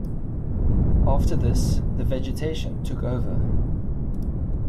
After this, the vegetation took over.